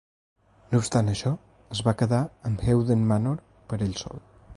No obstant això, es va quedar amb Howden Manor per a ell sol.